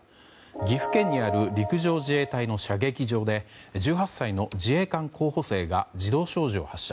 岐阜県にある陸上自衛隊の射撃場で１８歳の自衛官候補生が自動小銃を発射。